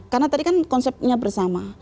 karena tadi kan konsepnya bersama